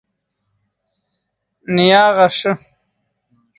نیا غیݰے